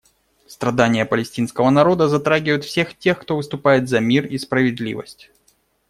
Страдания палестинского народа затрагивают всех тех, кто выступает за мир и справедливость.